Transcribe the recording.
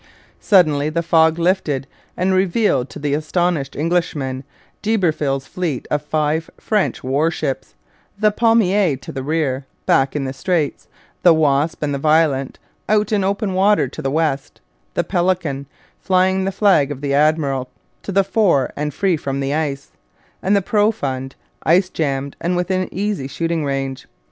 Suddenly the fog lifted and revealed to the astonished Englishmen d'Iberville's fleet of five French warships: the Palmier to the rear, back in the straits; the Wasp and the Violent, out in open water to the west; the Pelican, flying the flag of the Admiral, to the fore and free from the ice; and the Profond, ice jammed and within easy shooting range.